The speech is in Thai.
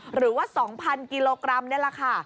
หรือว่า๒๐๐กิโลกรัมนี่แหละค่ะ